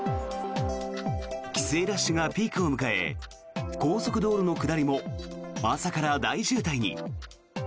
帰省ラッシュがピークを迎え高速道路の下りも朝から大渋滞に。